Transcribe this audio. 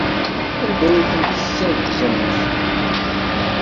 Anda ay tent-tessaggzemt?